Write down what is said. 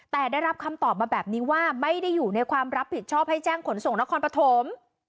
แต่ได้รับคำตอบมาแบบนี้ว่าไม่ได้อยู่ในความรับผิดชอบให้แจ้งขนส่งนครปฐม